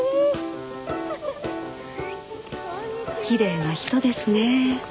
きれいな人ですね。